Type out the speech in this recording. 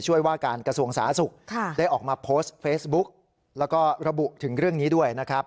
ว่าการกระทรวงสาธารณสุขได้ออกมาโพสต์เฟซบุ๊กแล้วก็ระบุถึงเรื่องนี้ด้วยนะครับ